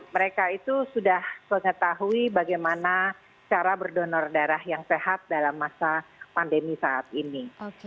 mereka itu sudah mengetahui bagaimana cara berdonor darah yang sehat dalam masa pandemi saat ini